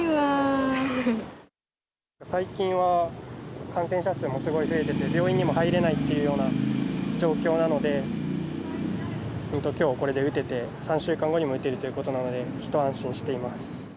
最近は感染者数もすごい増えてて、病院にも入れないっていうような状況なので、きょうこれで打てて、３週間後にも打てるということなので、一安心しています。